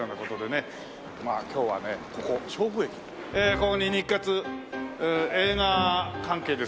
ここに日活映画関係ですよね。